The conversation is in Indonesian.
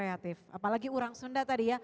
kreatif apalagi orang sunda tadi ya